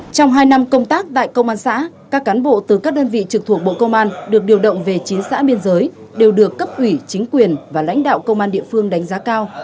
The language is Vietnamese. trong hai năm công tác tại công an xã các cán bộ từ các đơn vị trực thuộc bộ công an được điều động về chín xã biên giới đều được cấp ủy chính quyền và lãnh đạo công an địa phương đánh giá cao